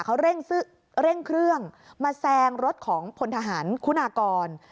เขาเร่งเครื่องมาแซงรถของพลทหารคุณากร